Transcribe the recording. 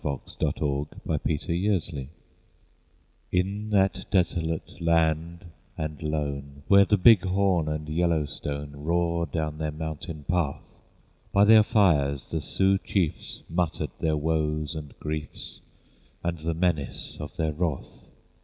THE REVENGE OF RAIN IN THE FACE In that desolate land and lone, Where the Big Horn and Yellowstone Roar down their mountain path, By their fires the Sioux Chiefs Muttered their woes and griefs And the menace of their wrath.